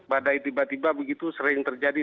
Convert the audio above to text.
badai tiba tiba begitu sering terjadi